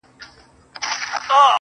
زه ستا په ځان كي يم ماته پيدا كړه~